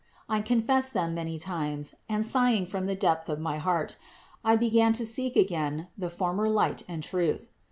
I confessed them many times and sighing from the depth of heart, I began to seek again the former light and truth.